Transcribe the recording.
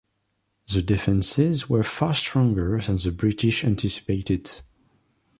The defenses were far stronger than the British anticipated.